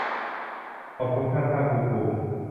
ขอบคุณข้างข้างคูคู